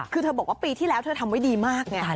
คือเธอบอกว่าปีที่แล้วเธอทำไว้ดีมากไง